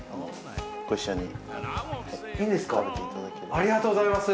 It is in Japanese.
ありがとうございます。